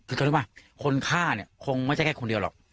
คือเขารู้ป่ะคนฆ่าเนี่ยคงไม่ใช่แค่คนเดียวหรอก